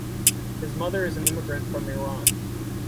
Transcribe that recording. His mother is an immigrant from Iran.